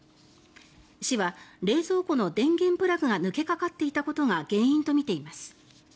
市は冷蔵庫の電源プラグが抜けかかっていたことが原因とみています。